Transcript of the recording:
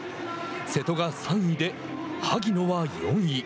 瀬戸が３位で萩野は４位。